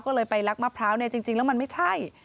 ก็เลยไปลักมะพร้าวเนี่ยจริงแล้วมันไม่ใช่